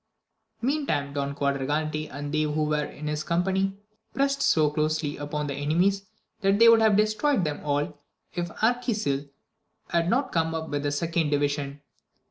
Mean time Don Quadragante and they who were in his company prest so closely upon the enemies, that they would have destroyed them all, if Arquisil had not come up with the second division.